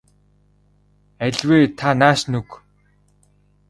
Аль вэ та нааш нь өг.